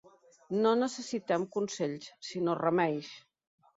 No necessitem consells, sinó remeis.